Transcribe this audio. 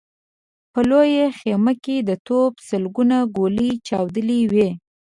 په لويه خيمه کې د توپ سلګونه ګولۍ چاودلې وې.